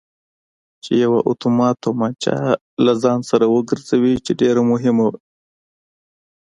چې یوه اتومات تومانچه له ځان سر وګرځوي چې ډېره مهمه وه.